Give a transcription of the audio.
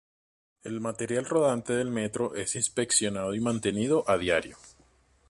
El material rodante del metro es inspeccionado y mantenido a diario.